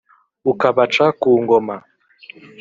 Ukabaca ku ngoma.